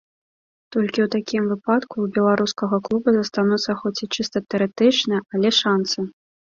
Толькі ў такім выпадку ў беларускага клуба застануцца хоць і чыста тэарэтычныя, але шанцы.